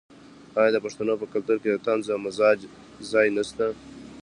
آیا د پښتنو په کلتور کې د طنز او مزاح ځای نشته؟